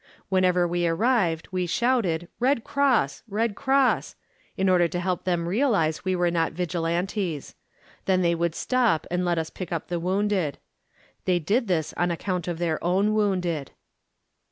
Whenever we arrived we shouted "Red Cross, Red Cross," in order to help make them realise we were not Vigilantes. Then they would stop and let us pick up the wounded. They did this on account of their own wounded.